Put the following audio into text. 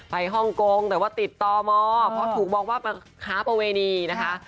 ฮ่องกงแต่ว่าติดต่อมเพราะถูกมองว่าค้าประเวณีนะคะ